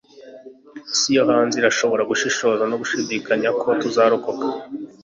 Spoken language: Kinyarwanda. isi yo hanze irashobora gushishoza no gushidikanya ko tuzarokoka